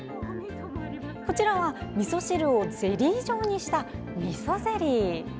こちらは、みそ汁をゼリー状にした、みそゼリー。